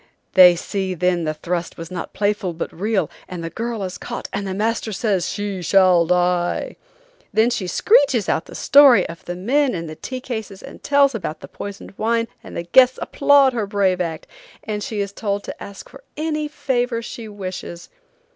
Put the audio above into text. They see then the thrust was not playful but real, and the girl is caught and the master says she shall die. Then she screeches out the story of the men in the tea cases and tells about the poisoned wine, and the guests applaud her brave act, and she is told to ask for any favor she wishes.